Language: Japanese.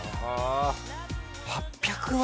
８００万！？